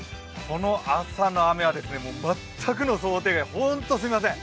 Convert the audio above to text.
この朝の雨は全くの想定外、本当にすみません。